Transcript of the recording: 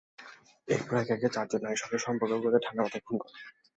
এরপর একে একে চারজন নারীর সঙ্গে সম্পর্ক গড়ে ঠান্ডা মাথায় খুন করেন।